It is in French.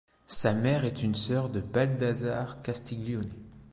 Sa mère est une sœur de Baldassare Castiglione.